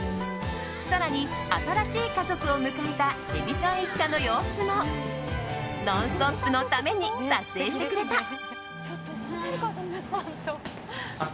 更に新しい家族を迎えたエビちゃん一家の様子も「ノンストップ！」のために撮影してくれた。